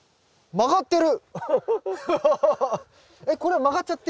曲がってる！